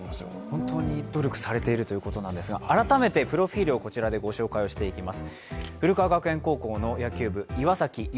本当に努力されているということなんですが、改めてプロフィールをここでご紹介していきます。